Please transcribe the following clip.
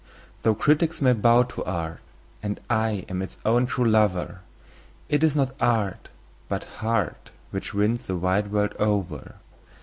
Though critics may bow to art, and I am its own true lover, It is not art, but heart, which wins the wide world over.